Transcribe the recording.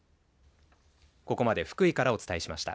ここまで福井からお伝えしました。